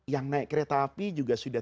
yang naik kereta api juga sudah